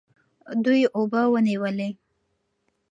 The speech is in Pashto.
دوی اوبه ونیولې.